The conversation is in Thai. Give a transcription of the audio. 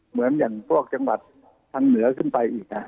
เหมือนอย่างพวกจังหวัดทางเหนือขึ้นไปอีก